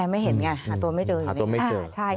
ไม่เห็นไงหาตัวไม่เจอ